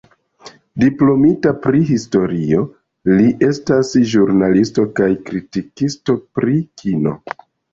Diplomita pri historio, li estas ĵurnalisto kaj kritikisto pri kino.